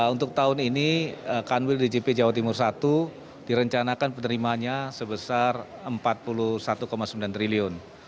untuk tahun ini kanwil djp jawa timur i direncanakan penerimanya sebesar rp empat puluh satu sembilan triliun